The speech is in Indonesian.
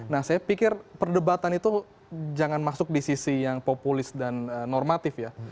nah saya pikir perdebatan itu jangan masuk di sisi yang populis dan normatif ya